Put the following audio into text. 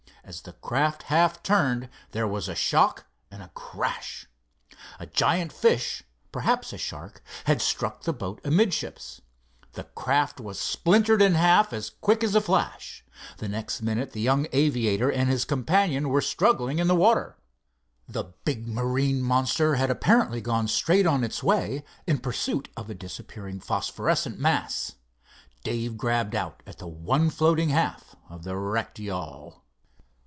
As the craft half turned, there was a shock and a crash. A giant fish, perhaps a shark, had struck the boat amidships. The craft was splintered in half as quick as a flash. The next minute the young aviator and his companion were struggling in the water. The big marine monster had apparently gone straight on its way in pursuit of a disappearing phosphorescent mass. Dave grabbed out at the one floating half of the wrecked yawl.